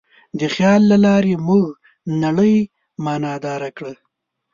د خیال له لارې موږ نړۍ معنیداره کړه.